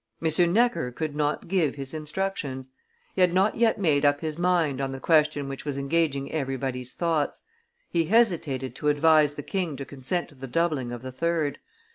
M. Necker could not give his instructions; he had not yet made up his mind on the question which was engaging everybody's thoughts; he hesitated to advise the king to consent to the doubling of the third.